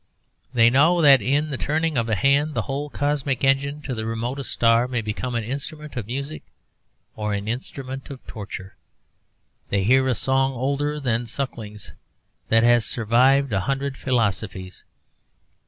They know that in the turning of a hand the whole cosmic engine to the remotest star may become an instrument of music or an instrument of torture. They hear a song older than Suckling's, that has survived a hundred philosophies.